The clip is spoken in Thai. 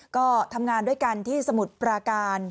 ก็ทำงานด้วยกันที่สมุทรปราการ